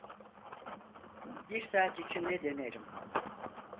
Bir saat içinde dönerim.